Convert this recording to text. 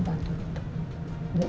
mama akan coba